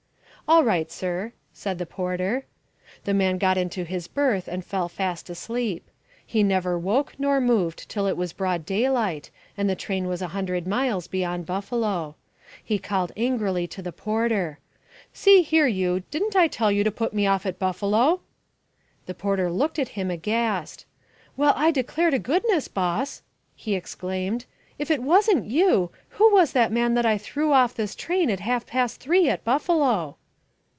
"All right, sir," said the porter. The man got into his berth and fell fast asleep. He never woke or moved till it was broad daylight and the train was a hundred miles beyond Buffalo. He called angrily to the porter, "See here, you, didn't I tell you to put me off at Buffalo?" The porter looked at him, aghast. "Well, I declare to goodness, boss!" he exclaimed; "if it wasn't you, who was that man that I threw off this train at half past three at Buffalo?"